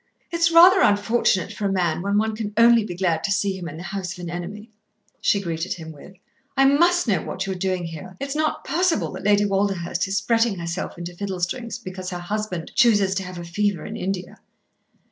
"It's rather unfortunate for a man when one can only be glad to see him in the house of an enemy." She greeted him with, "I must know what you are doing here. It's not possible that Lady Walderhurst is fretting herself into fiddle strings because her husband chooses to have a fever in India."